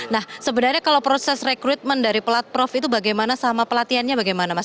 nah sebenarnya kalau proses rekrutmen dari pelat prof itu bagaimana sama pelatihannya bagaimana mas